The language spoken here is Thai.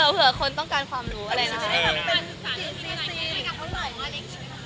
เผื่อคนต้องการความรู้